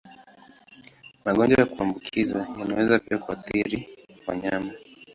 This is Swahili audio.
Magonjwa ya kuambukiza yanaweza pia kuathiri wanyama.